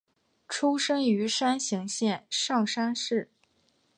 出身于山形县上山市。